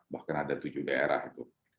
bahkan ada tujuh daerah itu